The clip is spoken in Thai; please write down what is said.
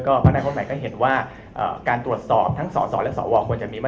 ก็ภาคนักคนใหม่ก็เห็นว่าการตรวจสอบทั้งสอสอและสอวอควรจะมีมาก